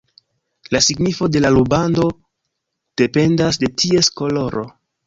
La signifo de la rubando dependas de ties koloro.